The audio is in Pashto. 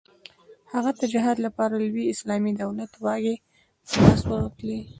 هغه ته د جهاد لپاره د لوی اسلامي دولت واګې په لاس ورتلې.